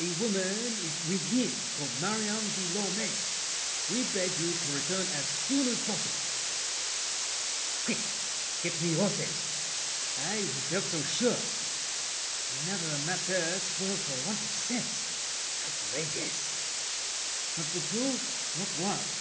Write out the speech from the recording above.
"A woman is With him, called Marion de Lorme. We beg You to return as soon as possible." Quick! Get me horses! I, who felt so sure! Another matter spoiled for want of sense. Outrageous! Of the two, not one!